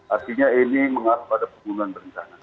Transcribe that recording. artinya ini mengasah pada penggunaan rencana